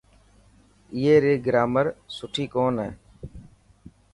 اي ري گرامر سڻي ڪون هي.